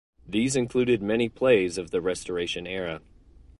These included many plays of the Restoration era.